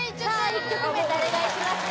１曲目誰がいきますか？